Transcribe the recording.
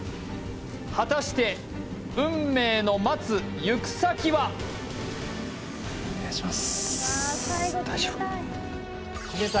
果たして運命の待つ行く先はお願いします